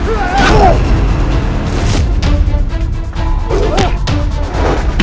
untuk memberikan kesaksian